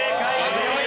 強い！